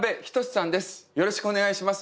よろしくお願いします。